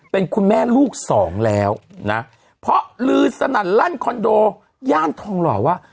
เป็นคุณแม่ลูกสองแล้วนะเพราะลือสนั่นลั่นคอนโดย่านทองหล่อว่า